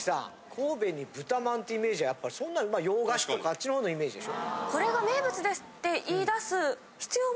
神戸に豚まんってイメージはやっぱりそんなに洋菓子とかあっちの方のイメージでしょ？